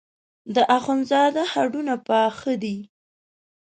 د اخوندزاده هډونه پاخه دي.